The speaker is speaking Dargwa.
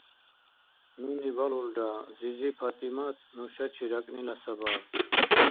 Нуни балулра зизи ПатӀимат нушачи ракӀнила сабаб.